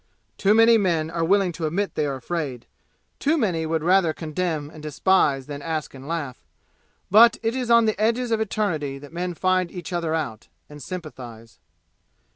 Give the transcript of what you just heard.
Too many men are willing to admit they are afraid. Too many would rather condemn and despise than ask and laugh. But it is on the edges of eternity that men find each other out, and sympathize.